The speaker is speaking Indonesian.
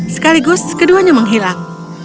sekaligus keduanya menghilang